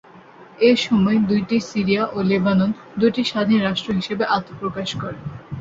এসময় দুইটি সিরিয়া ও লেবানন দুটি স্বাধীন রাষ্ট্র হিসেবে আত্মপ্রকাশ করে।